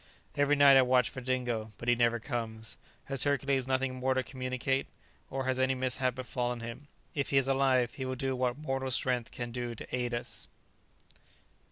Every night I watch for Dingo; but he never comes. Has Hercules nothing more to communicate? or has any mishap befallen him? If he is alive he will do what mortal strength can do to aid us.